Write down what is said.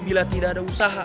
bila tidak ada usaha